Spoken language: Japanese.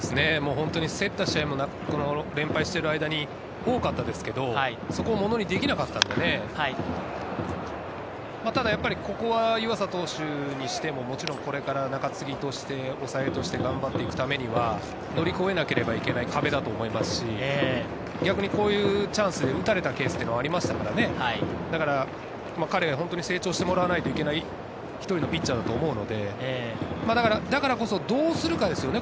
競った試合も連敗してる間に多かったですけれど、そこをものにできなかったので、ただやっぱりここは湯浅投手にしても、もちろんこれから中継ぎとして抑えとして頑張っていくためには、乗り越えなければいけない壁だと思いますし、逆にこういうチャンスに打たれたケースがありますから、彼は本当に成長してもらわないといけない一人のピッチャーだと思うので、だからこそどうするかですよね。